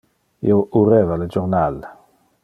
Io ureva le jornal.